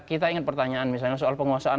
kita ingat pertanyaan misalnya soal penguasaan